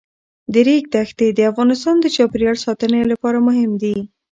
د ریګ دښتې د افغانستان د چاپیریال ساتنې لپاره مهم دي.